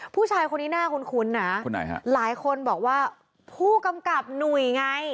พูดชายคนนี้น่าคุ้นนะหลายคนบอกว่าผู้กำกับหน่วยไง